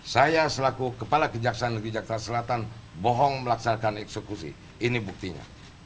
saya selaku kepala kejaksaan negeri jakarta selatan bohong melaksanakan eksekusi ini buktinya